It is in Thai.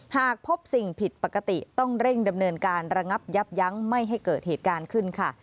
หากพบสิ่งผิดปกติต้องเร่งดำเนินการระงับยับยั้งไม่ให้เกิดเหตุการณ์ขึ้นค่ะ